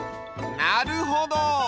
なるほど！